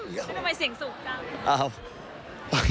ทำไมเสียงสุขจ้า